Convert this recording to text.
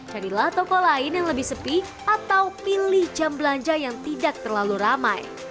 carilah toko lain yang lebih sepi atau pilih jam belanja yang tidak terlalu ramai